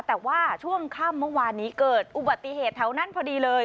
แต่ว่าช่วงค่ำเมื่อวานนี้เกิดอุบัติเหตุแถวนั้นพอดีเลย